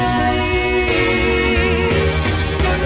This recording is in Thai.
แน่แน่รู้เหรอ